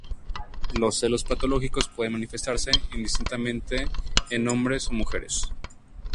Los celos patológicos pueden manifestarse indistintamente en hombres o mujeres.